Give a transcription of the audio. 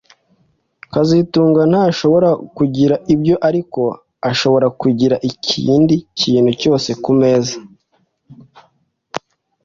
kazitunga ntashobora kugira ibyo ariko arashobora kugira ikindi kintu cyose kumeza